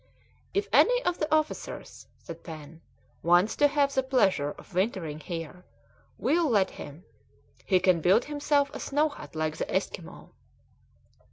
"If any of the officers," said Pen, "wants to have the pleasure of wintering here, we'll let him. He can build himself a snow hut like the Esquimaux."